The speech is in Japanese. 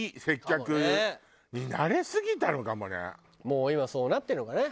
もう今そうなってるのかね